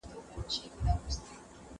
په هر څه کي افراط کول زیان لري.